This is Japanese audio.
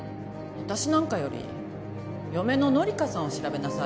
私なんかより嫁の紀香さんを調べなさいよ。